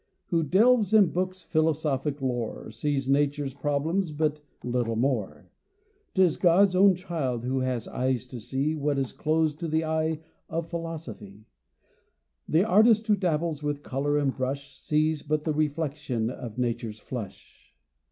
Who delves in books' philosophic lore, Sees nature's problems but little more. 'Tis God's own child who has eyes to see What is closed to the eye of philosophy. The artist who dabbles with color and brush Sees but the reflection of nature's flush.